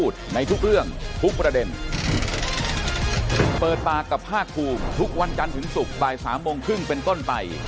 จันถึงศุกร์บ่าย๓โมงครึ่งเป็นต้นไป